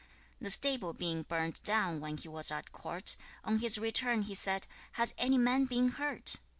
The stable being burned down, when he was at court, on his return he said, 'Has any man been hurt?'